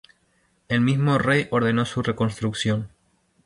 El mismo rey ordenó su reconstrucción.